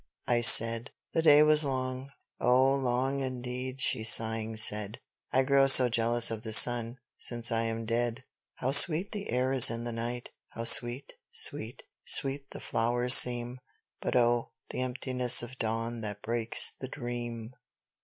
I said, "the day was long" "Oh, long indeed," she sighing said. "I grow so jealous of the sun, since I am dead." (How sweet the air is in the night, how sweet, sweet, sweet the flowers seem But oh, the emptiness of dawn that breaks the dream!)